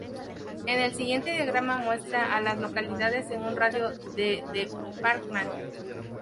El siguiente diagrama muestra a las localidades en un radio de de Parkman.